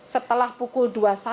setelah pukul dua puluh satu